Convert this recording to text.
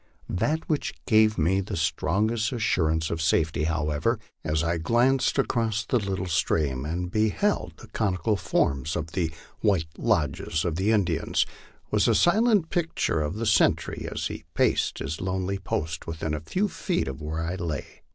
That which gave me strongest assurance of safety, however, as I glanced across the little stream, and beheld the conical forms of the white lodges of the Indians, was the silent picture of the sentry as he paced his lonely post within a few feet of where I lay.